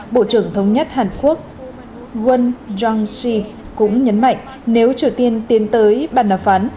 bộ trưởng thống nhất hàn quốc won jong shin cũng nhấn mạnh nếu triều tiên tiến tới bàn đàm phán